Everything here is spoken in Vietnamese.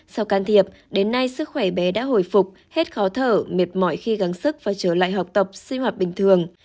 sau can thiệp đến nay sức khỏe bé đã hồi phục hết khó thở mệt mỏi khi gắn sức và trở lại học tập sinh hoạt bình thường